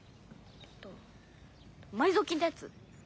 えっと埋蔵金ってやつ？